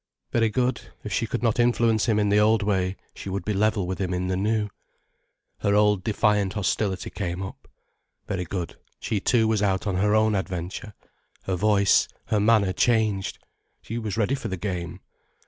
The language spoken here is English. Very good, if she could not influence him in the old way, she would be level with him in the new. Her old defiant hostility came up. Very good, she too was out on her own adventure. Her voice, her manner changed, she was ready for the game.